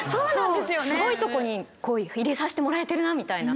すごいとこに入れさせてもらえてるなみたいな。